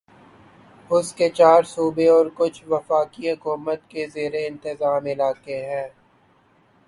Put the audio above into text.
اس کے چار صوبے اور کچھ وفاقی حکومت کے زیر انتظام علاقے ہیں